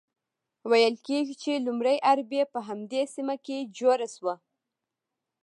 ویل کیږي چې لومړۍ اربۍ په همدې سیمه کې جوړه شوه.